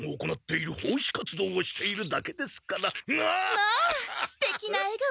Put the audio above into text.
まあすてきなえがお！